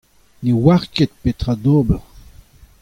ne oar ket petra d'ober.